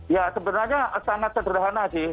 ya sebenarnya sangat sederhana sih